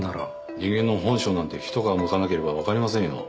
人間の本性なんて一皮むかなければわかりませんよ。